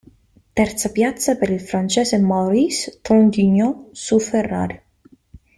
Terza piazza per il francese Maurice Trintignant su Ferrari.